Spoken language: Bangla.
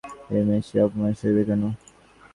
এ মেয়ের সেই অপমান সইবে কেন?